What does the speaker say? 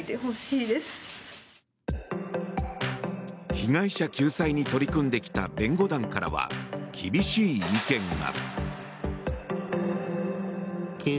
被害者救済に取り組んできた弁護団からは厳しい意見が。